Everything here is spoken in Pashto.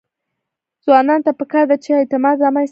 ځوانانو ته پکار ده چې، اعتماد رامنځته کړي.